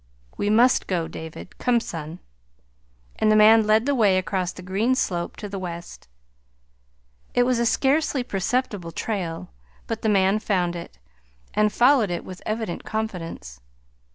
"We must go, David. Come, son." And the man led the way across the green slope to the west. It was a scarcely perceptible trail, but the man found it, and followed it with evident confidence.